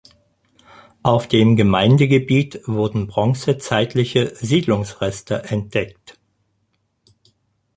Auf dem Gemeindegebiet wurden bronzezeitliche Siedlungsreste entdeckt.